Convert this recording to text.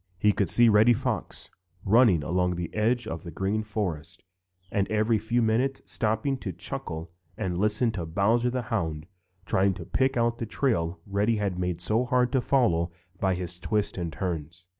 He could see Reddy Fox running along the edge of the Green Forest and every few minutes stopping to chuckle and listen to Bowser the Hound trying to pick out the trail Reddy had made so hard to follow by his twists and turns.